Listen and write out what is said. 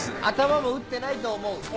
頭も打ってないと思う。